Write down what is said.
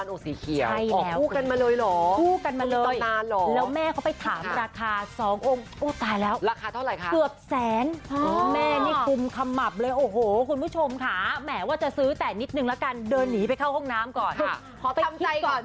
องค์มันสักครู่อยู่หน้าบ้านองค์สีเขียว